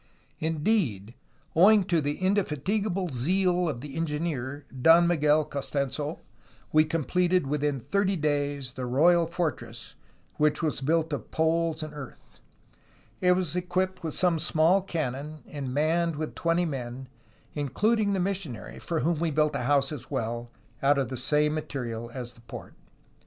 "Indeed, owing to the indefatigable zeal of the engineer, Don Miguel Costanso, we completed within thirty days the royal for tress, which was built of poles and earth. It was equipped with some small cannon, and manned with twenty men, including the missionary, for whom we built a house as well, out of the same material as the fort.